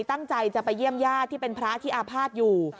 ตั้งใจจะไปเยี่ยมญาติที่เป็นพระที่อาภาษณ์อยู่